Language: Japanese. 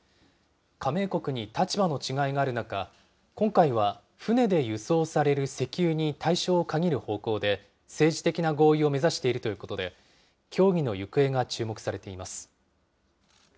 加盟国に立場の違いがある中、今回は船で輸送される石油に対象を限る方向で、政治的な合意を目指しているということで、協議の行方が注目されています。